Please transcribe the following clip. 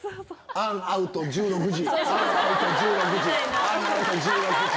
杏アウト１６時」。